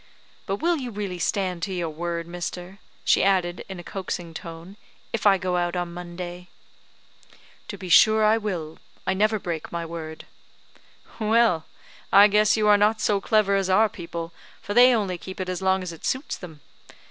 But will you really stand to your word, mister?" she added, in a coaxing tone, "if I go out on Monday?" "To be sure I will; I never break my word." "Well, I guess you are not so clever as our people, for they only keep it as long as it suits them.